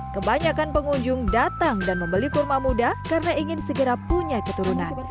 kebanyakan pengunjung datang dan membeli kurma muda karena ingin segera punya keturunan